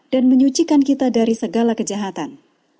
dan menyucikan kita dari segala kejahatan